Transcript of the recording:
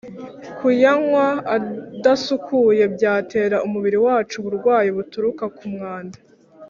kuyanywa adasukuye byatera umubiri wacu uburwayi buturuka ku mwanda